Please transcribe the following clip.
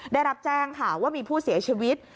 ได้รับแจ้งค่ะว่ามีผู้เสียชีวิต